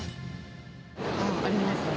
あー、ありますね。